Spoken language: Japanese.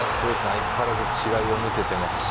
相変わらず違いを見せてますし